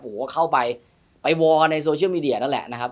โอ้โหเข้าไปไปวอลในโซเชียลมีเดียนั่นแหละนะครับ